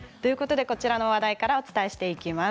こちらの話題からお伝えしていきます。